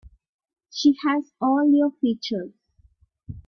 She has all your features.